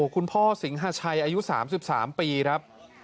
คุณพ่อสิงหาชัยอายุ๓๓ปีครับ